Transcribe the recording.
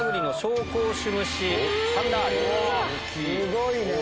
すごいね！